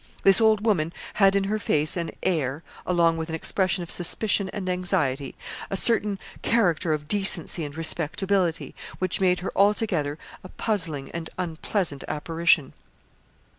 This old woman had in her face and air, along with an expression of suspicion and anxiety, a certain character of decency and respectability, which made her altogether a puzzling and unpleasant apparition.